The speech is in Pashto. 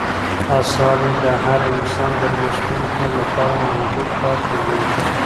آثار یې د هر نسل د لوستونکو لپاره محبوب پاتې دي.